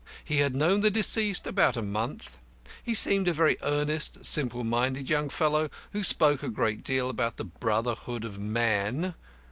He had known the deceased about a month. He seemed a very earnest, simple minded young fellow, who spoke a great deal about the brotherhood of man.